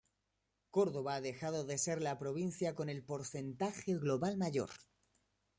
Córdoba ha dejado de ser la provincia con el porcentaje global mayor